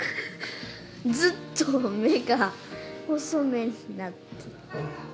ずっと目が細目になってた。